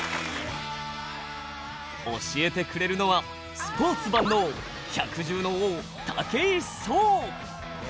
教えてくれるのはスポーツ万能百獣の王・武井壮！